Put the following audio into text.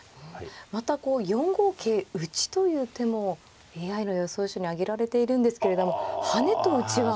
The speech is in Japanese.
またこう４五桂打という手もＡＩの予想手に挙げられているんですけれども跳ねと打ちは何か。